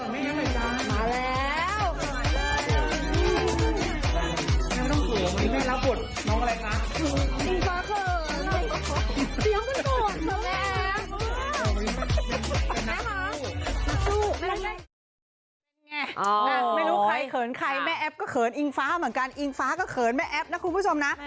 ไม่รู้ใครเขินใครแม่แอฟก็เขินอิงฟ้าเหมือนกันอิงฟ้าก็เขินแม่แอ๊บนะคุณผู้ชมนะ